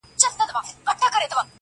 خو بدلون بشپړ نه وي هېڅکله,